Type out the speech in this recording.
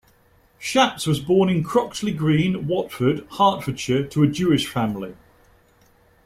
Shapps was born in Croxley Green, Watford, Hertfordshire, to a Jewish family.